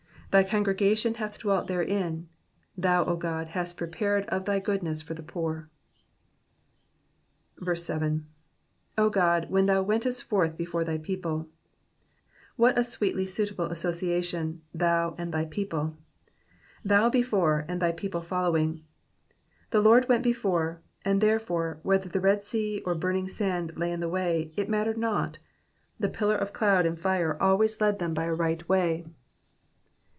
10 Thy congregation hath dwelt therein : thou, O God, hast prepared of thy goodness for the poor. 7. (? Godu, ichen thou wentest forth before thy people,''^ What a sweetly suit able association, thou" and thy people ;''— thou before, and thy people following ! The Lord went before, and, therefore, whether the Red Sea or burning sand lay in the way, it mattered not ; the pillar of cloud and iire always led them by a right way.